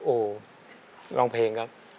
โอ้โหร้องเพลงครับ